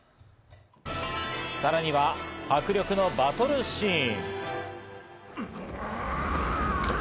さらには迫力のバトルシーン。